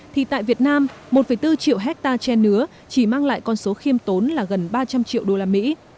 thì tại việt nam một bốn triệu hectare che nứa chỉ mang lại con số khiêm tốn là gần ba trăm linh triệu đô la mỹ